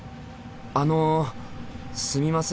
あのすみません